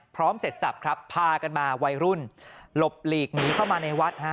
เสร็จสับครับพากันมาวัยรุ่นหลบหลีกหนีเข้ามาในวัดฮะ